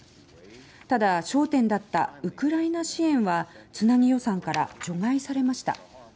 ただ、焦点だったウクライナ支援はつなぎ予算から除外されました。